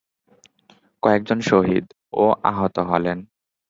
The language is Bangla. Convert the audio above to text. কয়েকজন শহীদ ও আহত হলেন।